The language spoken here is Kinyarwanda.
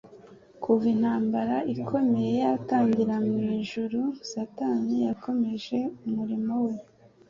Kuva intambara ikomeye yatangira mu ijuru, Satani yakomeje umurimo we